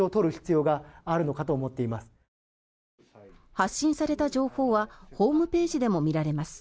発信された情報はホームページでも見られます。